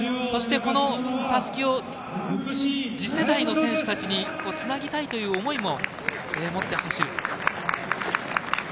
そして、このたすきを次世代の選手たちにつなぎたいという思いも持って走る。